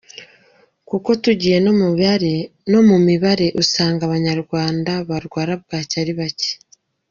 Kuko tugiye no mu mibare usanga Abanyarwanda barwara bwaki ari bake.